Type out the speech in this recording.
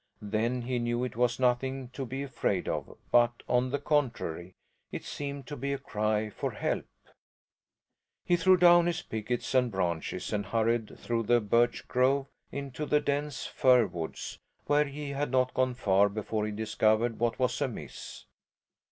Then he knew it was nothing to be afraid of, but on the contrary, it seemed to be a cry for help. He threw down his pickets and branches and hurried through the birch grove into the dense fir woods, where he had not gone far before he discovered what was amiss.